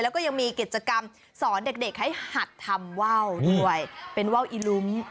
แล้วก็ยังมีกิจกรรมสอนเด็กให้หัดทำว่าวด้วยเป็นว่าวอีลุ้ม